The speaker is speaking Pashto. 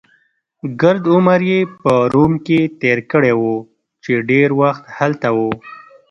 ګرد عمر يې په روم کې تېر کړی وو، چې ډېر وخت هلته و.